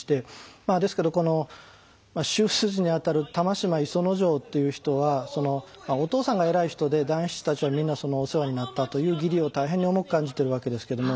ですけどこの主筋にあたる玉島磯之丞っていう人はお父さんが偉い人で団七たちはみんなお世話になったという義理を大変に重く感じている訳ですけども。